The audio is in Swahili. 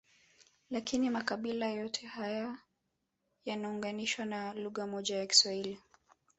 Lakini makabila yote haya yanaunganishwa na lugha moja ya Kiswahili